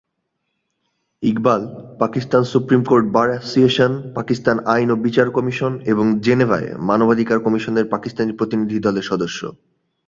Iqbal Pakistan supreme court bar association, পাকিস্তানের আইন ও বিচার কমিশন, এবং জেনেভায় মানবাধিকার কমিশনের পাকিস্তানি প্রতিনিধিদলের সদস্য।